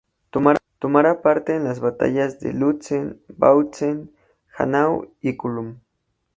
Tomará parte en las batallas de Lützen, Bautzen, Hanau y Kulm.